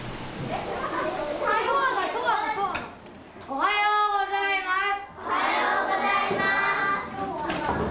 おはようございます。